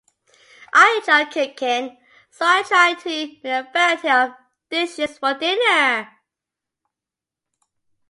I enjoy cooking, so I try to make a variety of dishes for dinner.